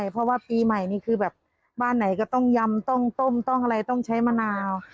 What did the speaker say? เพราะว่าปีใหม่นี่คือแบบบ้านไหนก็ต้องยำต้องต้มต้องอะไรต้องใช้มะนาว